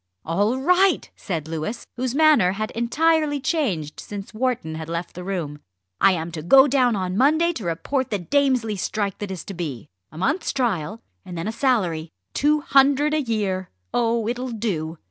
"All right!" said Louis, whose manner had entirely changed since Wharton had left the room. "I am to go down on Monday to report the Damesley strike that is to be. A month's trial, and then a salary two hundred a year. Oh! it'll do."